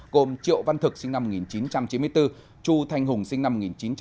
gồm triệu văn thực sinh năm một nghìn chín trăm chín mươi bốn chu thanh hùng sinh năm một nghìn chín trăm chín mươi